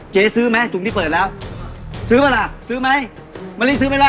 เจ๊ซื้อไหมถุงที่เปิดแล้วซื้อป่ะล่ะซื้อไหมมะลิซื้อไหมล่ะ